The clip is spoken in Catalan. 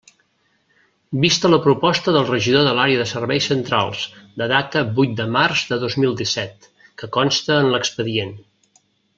Vista la proposta del regidor de l'Àrea de Serveis Centrals, de data vuit de març de dos mil disset, que consta en l'expedient.